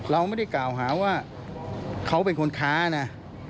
เราไม่ได้กล่าวหาว่าเขาเป็นคนค้านะ